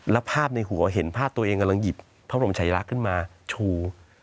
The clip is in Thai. แล้วภาพในหัวเห็นภาพตัวเองกำลังหยิบพระบรมชายลักษณ์ขึ้นมาชู